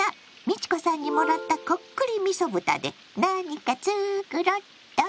美智子さんにもらった「こっくりみそ豚」で何か作ろっと！